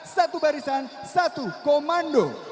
satu barisan satu komando